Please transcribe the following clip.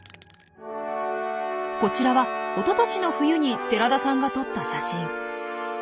こちらはおととしの冬に寺田さんが撮った写真。